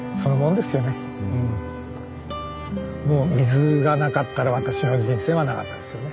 もう水がなかったら私の人生はなかったですよね。